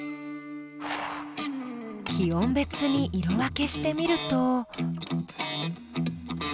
気温別に色分けしてみると。